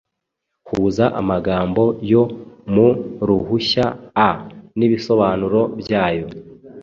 Huza amagambo yo mu ruhushya A n’ibisobanuro byayo